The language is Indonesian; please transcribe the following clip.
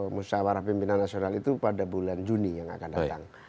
musyawarah pimpinan nasional itu pada bulan juni yang akan datang